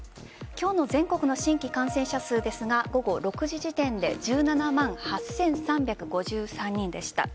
今日の全国の新規感染者数ですが午後６時時点で１７万８３５３人でした。